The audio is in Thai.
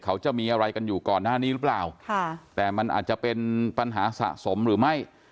เขาจะมีอะไรกันอยู่ก่อนหน้านี้หรือเปล่าค่ะแต่มันอาจจะเป็นปัญหาสะสมหรือไม่